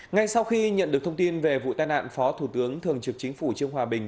ngay sau khi nhận được thông tin về vụ tai nạn phó thủ tướng thường trực chính phủ trương hòa bình